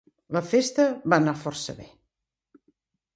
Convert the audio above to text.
La festa va anar força bé.